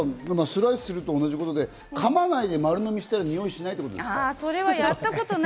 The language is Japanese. スライスすると同じことでかまないで丸呑みしたら、においしないってこと？